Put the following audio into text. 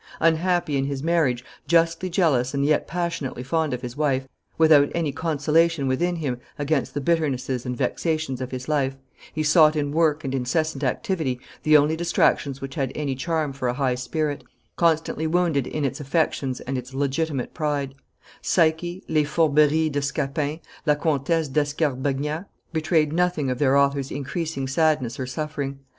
Unhappy in his marriage, justly jealous and yet passionately fond of his wife, without any consolation within him against the bitternesses and vexations of his life, he sought in work and incessant activity the only distractions which had any charm for a high spirit, constantly wounded in its affections and its legitimate pride: Psyche, Les Fourberies de Scapin, La Comtesse d'Escarbagnas, betrayed nothing of their author's increasing sadness or suffering.